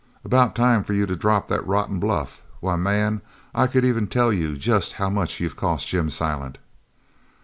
"About time for you to drop that rotten bluff. Why, man, I could even tell you jest how much you've cost Jim Silent."